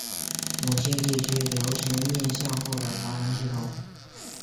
某些地区流行面向后的划船系统。